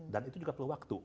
dan itu juga perlu waktu